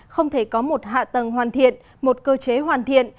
không thể có một hạ tầng hoàn thiện một cơ chế hoàn thiện